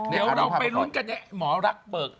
เดี๋ยวเราไปลุ้นกันเนี่ยหมอรักเบิก